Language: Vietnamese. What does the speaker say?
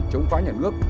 chống phá nhà nước